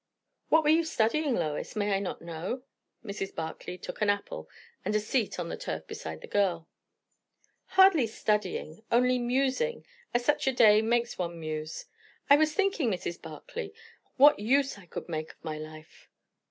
"What were you studying, Lois? May I not know?" Mrs. Barclay took an apple and a seat on the turf beside the girl. "Hardly studying. Only musing as such a day makes one muse. I was thinking, Mrs. Barclay, what use I could make of my life."